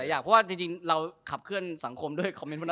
เพราะว่าจริงเราขับเคลื่อนสังคมด้วยคอมเมนต์พวกนั้น